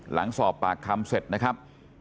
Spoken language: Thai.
หลังสอบปากคำเสร็จนะครับ